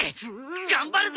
頑張るぜ！